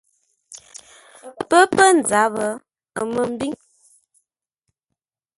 Pə́ pə̂ nzáp, ə́ mə́ mbíŋ: